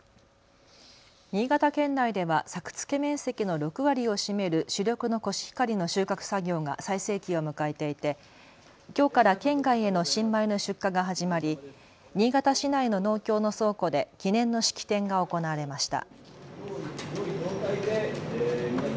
新潟県内では作付面積の６割を占める主力のコシヒカリの収穫作業が最盛期を迎えていてきょうから県外への新米の出荷が始まり新潟市内の農協の倉庫で記念の式典が行われました。